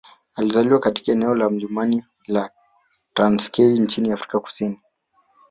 alizaliwa katika eneo la milimani la Transkei nchini Afrika Kusini